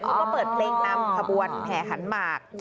มาเปิดเพลงนำขบวนแห่ขันหมาก